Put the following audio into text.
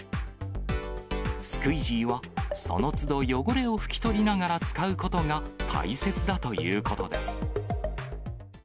スクイジーは、そのつど汚れを拭き取りながら使うことが大切だということです。